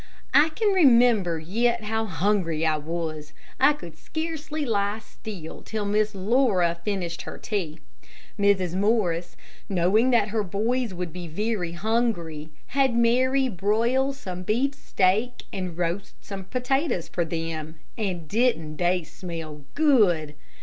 I can remember yet how hungry I was. I could scarcely lie still till Miss Laura finished her tea. Mrs. Morris, knowing that her boys would be very hungry, had Mary broil some beefsteak and roast some potatoes for them; and didn't they smell good!